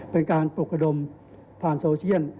เป็นการปลุกระดมผ่านโซเชียล